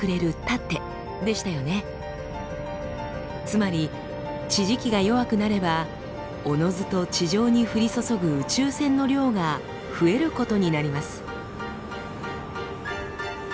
つまり地磁気が弱くなればおのずと地上に降り注ぐ宇宙線の量が増えることになります。